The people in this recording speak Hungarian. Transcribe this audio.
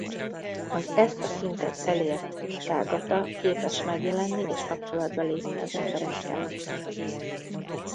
Az ezt a szintet elért Tathágata képes megjelenni és kapcsolatba lépni az emberekkel.